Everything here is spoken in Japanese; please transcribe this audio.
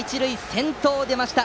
先頭が出ました。